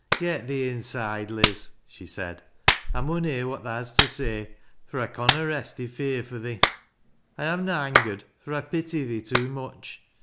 " Get thee inside. Liz," she said. " I mun hear what tha has to say, fur I conna rest i' fear for thee. I am ns angei ed, far I pity thee too much.